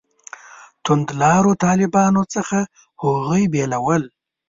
توندلارو طالبانو څخه هغوی بېلول.